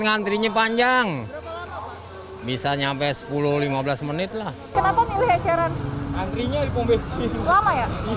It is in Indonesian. ngantrinya panjang bisa nyampe sepuluh lima belas menit lah kenapa milih eceran antrinya di pom bensin